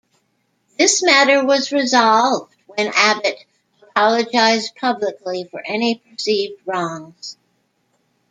This matter was resolved when Abbott apologized publicly for any perceived wrongs.